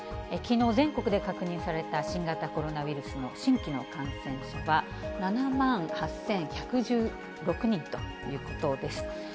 きのう全国で確認された新型コロナウイルスの新規の感染者は、７万８１１６人ということです。